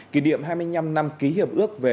kỷ niệm hai mươi năm năm ký hiệp ước về